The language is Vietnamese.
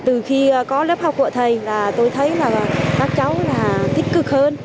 từ khi có lớp học của thầy là tôi thấy là các cháu là tích cực hơn